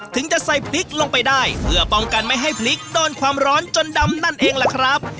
จะใส่พริกลงไปได้เพื่อป้องกันไม่ให้พริกโดนความร้อนจนดำนั่นเองล่ะครับ